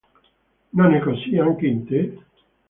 Non è così anche in te?